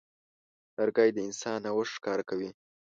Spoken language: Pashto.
لرګی د انسان نوښت ښکاره کوي.